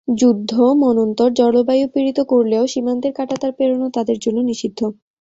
যুদ্ধ, মন্বন্তর, জলবায়ু পীড়িত করলেও সীমান্তের কাঁটাতার পেরোনো তাদের জন্য নিষিদ্ধ।